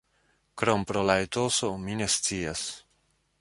Krom pro la etoso, mi ne scias.